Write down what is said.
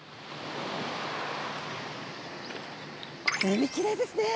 海きれいですね！